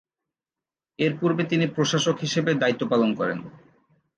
এরপূর্বে তিনি প্রশাসক হিসেবে দায়িত্ব পালন করেন।